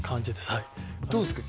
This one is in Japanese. はいどうですか？